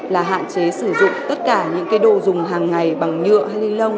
là hạn chế sử dụng tất cả những cái đồ dùng hàng ngày bằng nhựa hay ni lông